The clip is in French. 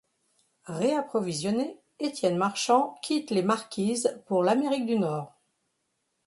Réapprovisionné, Étienne Marchand quitte les Marquises pour l'Amérique du Nord.